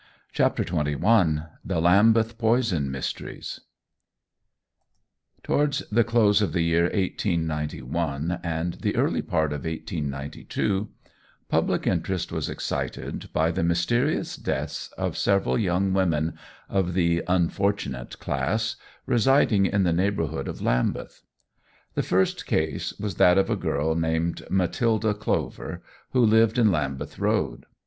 CHAPTER XXI THE LAMBETH POISON MYSTERIES TOWARDS the close of the year 1891 and the early part of 1892, public interest was excited by the mysterious deaths of several young women of the "unfortunate" class residing in the neighbourhood of Lambeth. The first case was that of a girl named Matilda Clover, who lived in Lambeth Road.